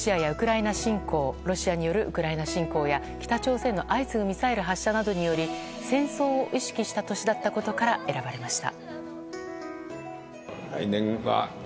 ロシアによるウクライナ侵攻や北朝鮮の相次ぐミサイル発射などにより戦争を意識した年だったことから選ばれました。